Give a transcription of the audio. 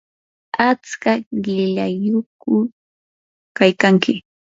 ¿atska qilayyuqku kaykanki?